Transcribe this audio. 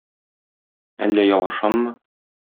Әллә ялгышаммы?